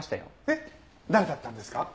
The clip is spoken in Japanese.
えっ誰だったんですか？